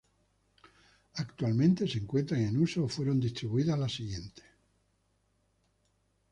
Actualmente se encuentran en uso o fueron distribuidas la siguientes